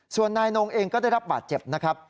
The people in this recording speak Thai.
ส่วนนายนงเองก็ได้รับบาดเจ็บนะครับ